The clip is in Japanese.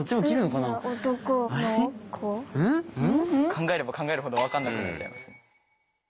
考えれば考えるほど分かんなくなっちゃいますね。